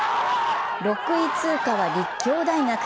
６位通過は立教大学。